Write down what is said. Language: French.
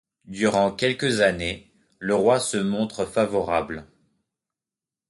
Durant quelques années le roi se montre favorable.